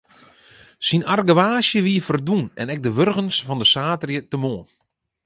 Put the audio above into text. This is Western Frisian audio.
Syn argewaasje wie ferdwûn en ek de wurgens fan de saterdeitemoarn.